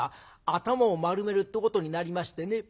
頭を丸めるってことになりましてね。